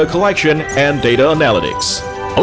melalui pengembangan data dan analisis data